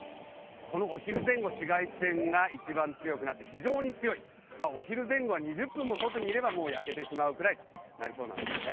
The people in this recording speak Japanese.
このお昼前後、紫外線が一番強くなって非常に強い、お昼前後は２０分も外にいれば焼けてしまいそうです。